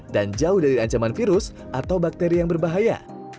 dan jauh dari ancaman virus atau bakteri yang berbahaya